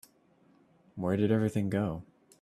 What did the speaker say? Where did everything go?